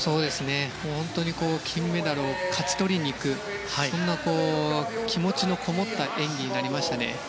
本当に金メダルを勝ち取りに行くそんな気持ちのこもった演技になりましたね。